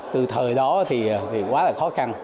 từ thời đó thì quá là khó khăn